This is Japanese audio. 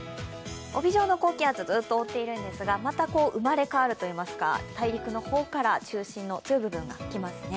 帯状の高気圧、ずっと覆っているんですが生まれ変わるといいますか大陸の方から中心が来ますね。